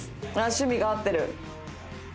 趣味が合ってる。